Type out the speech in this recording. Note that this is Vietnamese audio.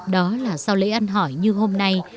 đó là sau lễ ăn hỏi như hôm nay